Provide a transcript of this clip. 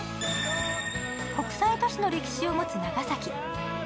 国際都市の歴史を持つ長崎。